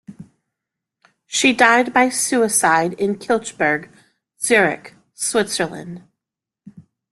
She died by suicide in Kilchberg, Zurich, Switzerland.